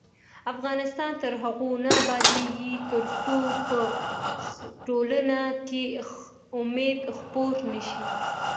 افغانستان تر هغو نه ابادیږي، ترڅو په ټولنه کې امید خپور نشي.